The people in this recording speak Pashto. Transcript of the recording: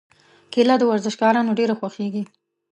کېله د ورزشکارانو ډېره خوښېږي.